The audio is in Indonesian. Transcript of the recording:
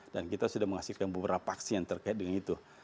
kita sudah menghasilkan beberapa aksi yang terkait dengan itu